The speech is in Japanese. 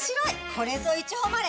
これぞいちほまれ。